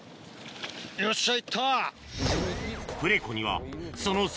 よっしゃ行った。